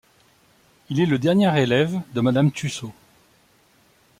Il est le dernier élève de Mme Tussaud.